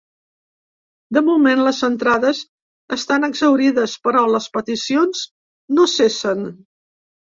De moment les entrades estan exhaurides, però les peticions no cessen.